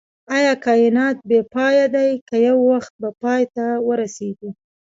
ايا کائنات بی پایه دی که يو وخت به پای ته ورسيږئ